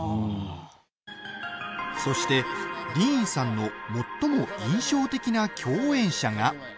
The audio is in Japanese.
そして、ディーンさんの最も印象的な共演者が。